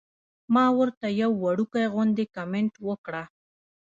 ما ورته يو وړوکے غوندې کمنټ وکړۀ -